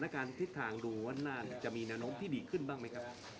จะมีอนุมที่ดีขึ้นบ้างไหมครับ